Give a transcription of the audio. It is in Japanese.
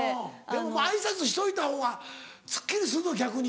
挨拶しといたほうがすっきりするぞ逆に。